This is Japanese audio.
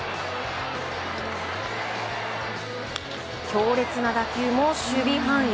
強烈な打球も、守備範囲。